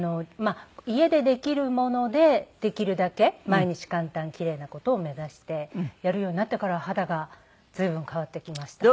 家でできるものでできるだけ毎日簡単奇麗な事を目指してやるようになってからは肌が随分変わってきました。